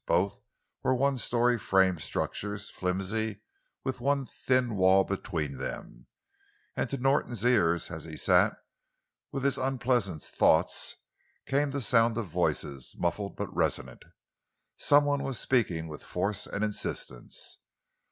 Both were one story frame structures, flimsy, with one thin wall between them; and to Norton's ears as he sat with his unpleasant thoughts, came the sound of voices, muffled, but resonant. Someone was speaking with force and insistence.